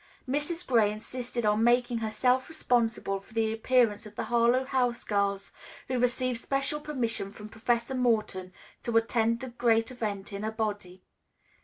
Mrs. Gray insisted on making herself responsible for the appearance of the Harlowe House girls, who received special permission from Professor Morton to attend the great event in a body.